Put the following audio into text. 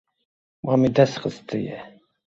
Wan bi dest xistiye.